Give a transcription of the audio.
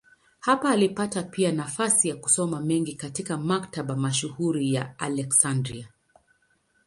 Hapa alipata pia nafasi ya kusoma mengi katika maktaba mashuhuri ya Aleksandria.